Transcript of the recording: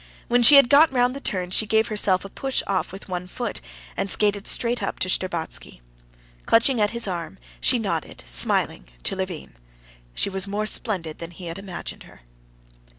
When she had got round the turn, she gave herself a push off with one foot, and skated straight up to Shtcherbatsky. Clutching at his arm, she nodded smiling to Levin. She was more splendid than he had imagined her.